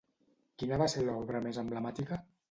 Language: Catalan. Quina va ser l'obra més emblemàtica?